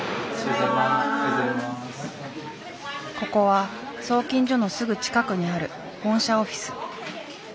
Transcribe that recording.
ここは送金所のすぐ近くにある本社オフィス。